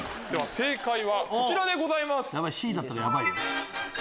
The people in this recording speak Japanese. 正解はこちらでございます。